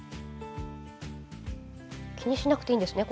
気にしなくていいんですね